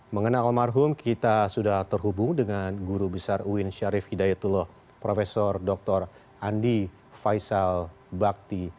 mengenal almarhum kita sudah terhubung dengan guru besar uin syarif hidayatullah prof dr andi faisal bakti